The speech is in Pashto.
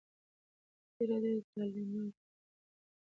ازادي راډیو د تعلیمات د نجونو لپاره په اړه د پرانیستو بحثونو کوربه وه.